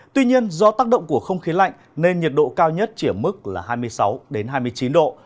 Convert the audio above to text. tuy nhiên do tác động của không khí lạnh nên nhiệt độ cao nhất chỉ ở mức là hai mươi sáu hai mươi chín độ